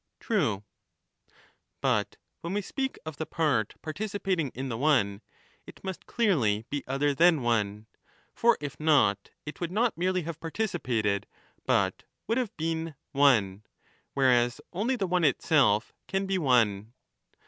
True. But when we speak of the part participating in the one, it must clearly be other than one; for if not, it would not merely have participated, but would have been one; whereas only the one itself can be one.